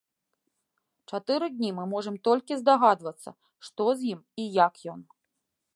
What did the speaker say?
Чатыры дні мы можам толькі здагадвацца, што з ім і як ён.